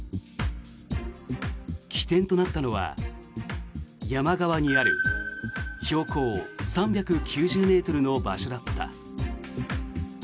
起点となったのは山側にある標高３９０ｍの場所だった。